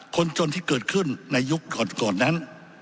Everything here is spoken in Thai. คนจนที่เกิดขึ้นในยุคก่อนนั้น